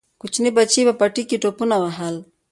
کوچني بچي یې په پټي کې ټوپونه وهل.